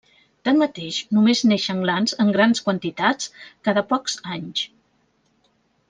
Tanmateix, només neixen glans en grans quantitats cada pocs anys.